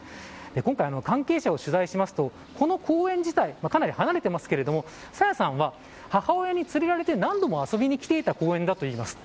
今回、関係者を取材するとこの公園自体かなり離れていますけど朝芽さんは母親に連れられて何度も遊びに来ていた公園だといいます。